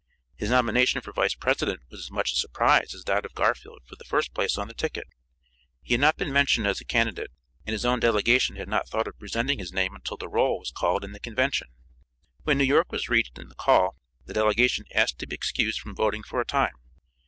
His nomination for Vice President was as much a surprise as that of Garfield for the first place on the ticket. He had not been mentioned as a candidate, and his own delegation had not thought of presenting his name until the roll was called in the Convention. When New York was reached in the call the delegation asked to be excused from voting for a time.